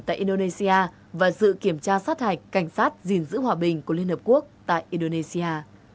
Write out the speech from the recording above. tại indonesia và dự kiểm tra sát hạch cảnh sát gìn giữ hòa bình của liên hợp quốc tại indonesia